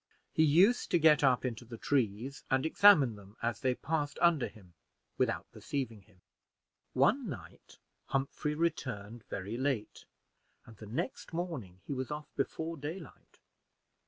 He used to get up into the trees, and examine them as they passed under him without perceiving him. One night Humphrey returned very late, and the next morning he was off before daylight.